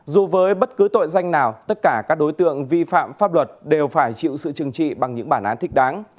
dù với bất cứ tội danh nào tất cả các đối tượng vi phạm pháp luật đều phải chịu sự chừng trị bằng những bản án thích đáng